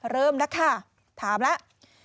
เริ่มแล้วค่ะถามแล้ว